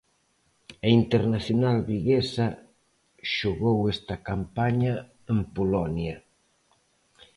A internacional viguesa xogou esta campaña en Polonia.